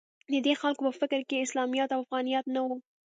د دې خلکو په فکر کې اسلامیت او افغانیت نه و